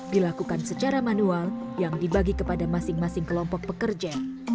dilakukan secara manual yang dibagi kepada masing masing kelompok pekerja